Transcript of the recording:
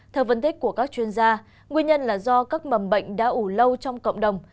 theo phân tích của các chuyên gia nguyên nhân là do các mầm bệnh đã ủ lâu trong cộng đồng